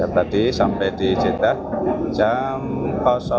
dari tadi sampai di jeddah jam dua puluh tujuh wib